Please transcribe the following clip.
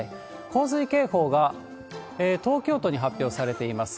洪水警報が東京都に発表されています。